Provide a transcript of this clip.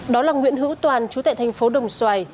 đó là nguyễn hữu toàn chú tại thành phố đồng xoài